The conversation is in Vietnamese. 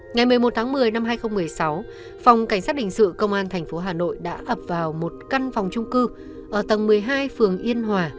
ngày một mươi một tháng một mươi năm hai nghìn một mươi sáu phòng cảnh sát đình sự công an tp hà nội đã ập vào một căn phòng trung cư ở tầng một mươi hai phường yên hòa